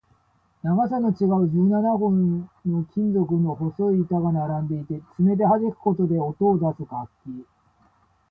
長さの違う十七本の金属の細い板が並んでいて、爪ではじくことで音を出す楽器